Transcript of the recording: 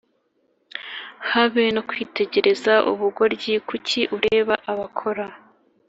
habe no kwitegereza ubugoryi Kuki ureba abakora